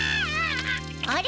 あれ？